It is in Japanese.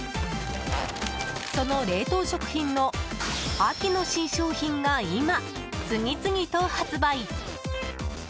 その冷凍食品の秋の新商品が今、次々と発売。